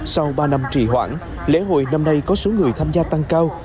sau ba năm trì hoãn lễ hội năm nay có số người tham gia tăng cao